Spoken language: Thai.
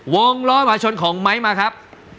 วงร้อยประชนของไมค์มาครับ